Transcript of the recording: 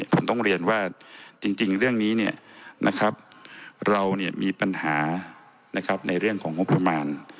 ผมต้องเรียนว่าจริงเรื่องนี้เรามีปัญหานะครับในเรื่องของงบประมาณ